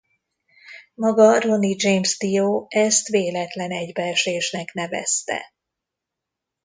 Maga Ronnie James Dio ezt véletlen egybeesésnek nevezte.